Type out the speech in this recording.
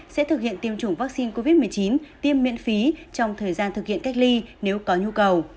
sẽ thực hiện tiêm chủng vaccine covid một mươi chín tiêm miễn phí trong thời gian thực hiện cách ly nếu có nhu cầu